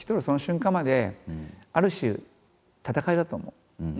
その瞬間まである種戦いだと思う。